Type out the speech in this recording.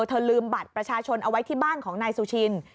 เธอลืมบัตรประชาชนเอาไว้ที่บ้านของนายสุชิน